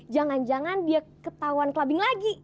jangan jangan dia ketahuan clubbing lagi